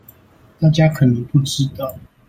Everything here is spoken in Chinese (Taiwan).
大家可能不知道